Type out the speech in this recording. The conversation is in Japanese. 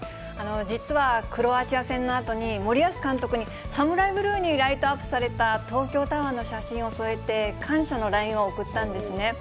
実はクロアチア戦のあとに、森保監督にサムライブルーにライトアップされた東京タワーの写真を添えて感謝のＬＩＮＥを送ったんですね。